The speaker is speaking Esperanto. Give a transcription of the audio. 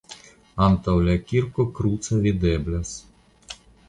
Antaŭ la kirko kruco videblas.